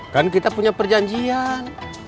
kan kita punya perjanjian